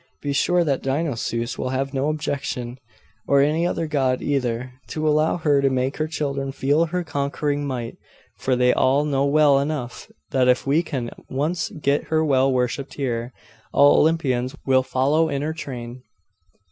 Be sure that Dionusos will have no objection, or any other god either, to allow her to make her children feel her conquering might; for they all know well enough, that if we can once get her well worshipped here, all Olympus will follow in her train.